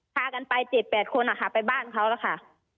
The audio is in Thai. พากันไป๗๘คนไปบ้านเขาแล้วค่ะ